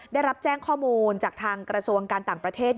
ได้รับแจ้งข้อมูลจากทางกระทรวงการต่างประเทศ